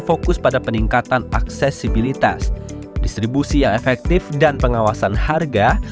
fokus pada peningkatan aksesibilitas distribusi yang efektif dan pengawasan harga